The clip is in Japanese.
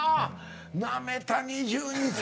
なめた２２歳。